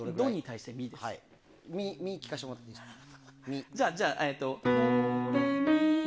ミ聴かせてもらっていいですか。